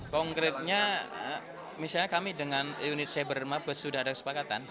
konkretnya misalnya kami dengan unit cyber mabes sudah ada kesepakatan